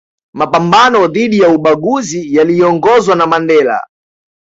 mapambano dhidi ya ubaguzi yaliyoongozwa na Mandela